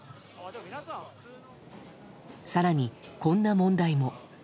更に、こんな問題も。